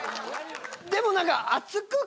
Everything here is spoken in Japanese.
でも何か。